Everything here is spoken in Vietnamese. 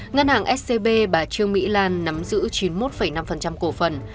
ngân hàng scb bà trương mỹ lan nắm giữ chín mươi một năm cổ phần